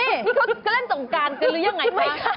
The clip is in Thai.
นี่เขาก็เล่นสงการกันหรือยังไงคะ